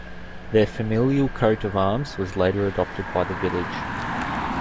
Their familial coat of arms was later adopted by the village.